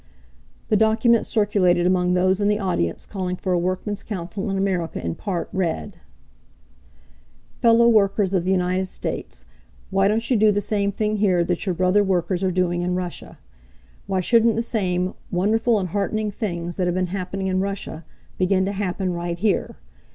The document circulated among those in the audience calling for a workmen's council in America in part read: Fellow workers of the United States, why don't you do the same thing here that your brother workers are doing in Russia? Why shouldn't the same "wonderful and heartening things that have been happening in Russia" begin to happen right here?